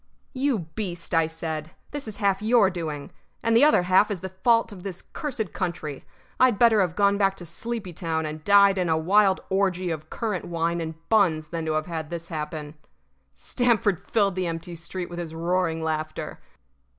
"You beast," I said, "this is half your doing. And the other half is the fault of this cursed country. I'd better have gone back to Sleepy town and died in a wild orgy of currant wine and buns than to have had this happen." Stamford filled the empty street with his roaring laughter.